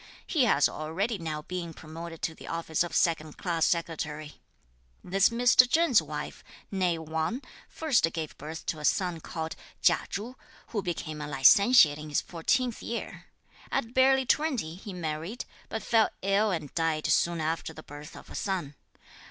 He has already now been promoted to the office of second class Secretary. This Mr. Cheng's wife, nèe Wang, first gave birth to a son called Chia Chu, who became a Licentiate in his fourteenth year. At barely twenty, he married, but fell ill and died soon after the birth of a son.